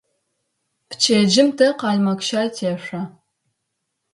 Пчэдыжьым тэ къалмыкъщай тешъо.